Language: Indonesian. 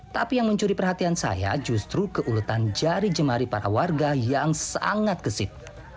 tapi yang mencuri perhatian saya justru keuletan jari jemari para warga yang sangat gesit